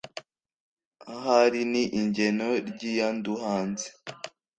Ahari ni Igeno ry'iyaduhanze